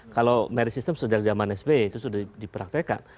kalau merit system sejak zaman sbe itu sudah dipraktekkan